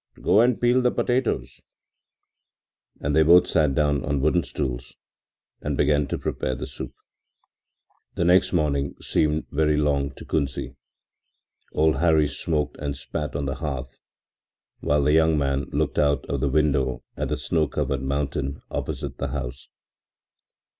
Go and peel the potatoes.” And they both sat down on wooden stools and began to prepare the soup. The next morning seemed very long to Kunsi. Old Hari smoked and spat on the hearth, while the young man looked out of the window at the snow covered mountain opposite the house.